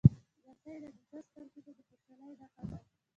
لمسی د نیکه سترګو ته د خوشحالۍ نښه ده.